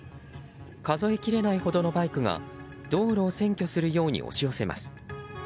数えきれないほどのバイクが道路を占拠するように押し寄せます。